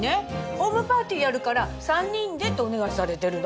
ホームパーティーやるから３人でってお願いされてるの。